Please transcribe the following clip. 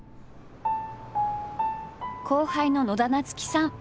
後輩の野田菜月さん